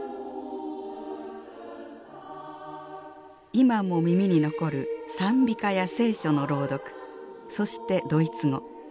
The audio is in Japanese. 今も耳に残る賛美歌や聖書の朗読そしてドイツ語。